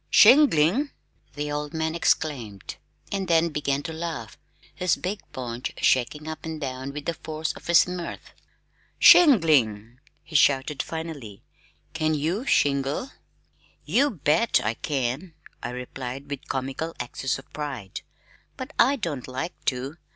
"Shingling!" the old man exclaimed, and then began to laugh, his big paunch shaking up and down with the force of his mirth. "Shingling!" he shouted finally. "Can you shingle?" "You bet I can," I replied with comical access of pride, "but I don't like to.